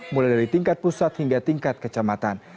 mulai dari tingkat pusat hingga tingkat kecamatan